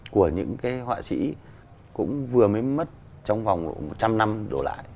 của những cái họa sĩ cũng vừa mới mất trong vòng một trăm linh năm đổ lại